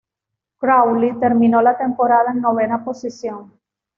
Crawley terminó la temporada en novena posición.